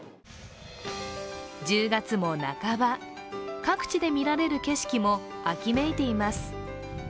１０月も半ば、各地で見られる景色も秋めいています。